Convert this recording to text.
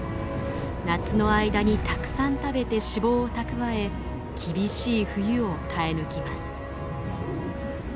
夏の間にたくさん食べて脂肪を蓄え厳しい冬を耐え抜きます。